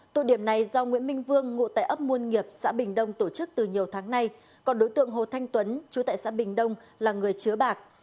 tụ điểm này do nguyễn minh vương ngụ tại ấp muôn nghiệp xã bình đông tổ chức từ nhiều tháng nay còn đối tượng hồ thanh tuấn chú tại xã bình đông là người chứa bạc